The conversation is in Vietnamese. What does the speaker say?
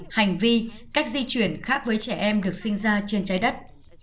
hành vi cách di chuyển khác với trẻ em được sinh ra trên trái đất